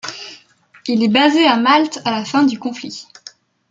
Il est basé à Malte à la fin du conflit.